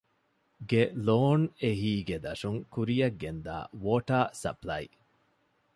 ގެ ލޯން އެހީގެ ދަށުން ކުރިއަށްގެންދާ ވޯޓަރ ސަޕްލައި،